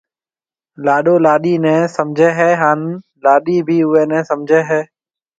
لاڏو لاڏيِ نَي سمجهيََ هيَ هانَ لاڏيِ بي اوئي نَي سمجهيََ هيَ۔